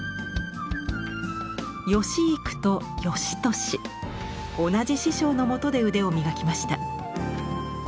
芳幾と芳年同じ師匠の下で腕を磨きました。